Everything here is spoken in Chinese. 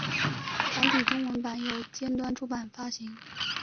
繁体中文版由尖端出版发行。